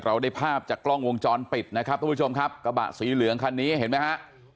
ได้ภาพจากกล้องวงจรปิดนะครับทุกผู้ชมครับกระบะสีเหลืองคันนี้เห็นไหมฮะ